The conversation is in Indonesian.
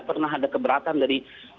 pernah ada keberatan dari